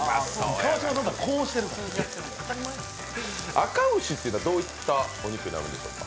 あか牛っていうのはどういったお肉なんでしょうか？